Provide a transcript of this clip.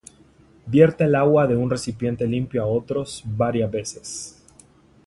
vierta el agua de un recipiente limpio a otro varias veces.